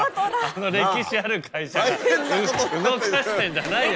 歴史ある会社が動かしてんじゃないよ。